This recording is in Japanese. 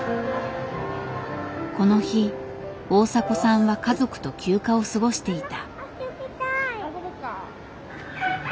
この日大迫さんは家族と休暇を過ごしていた。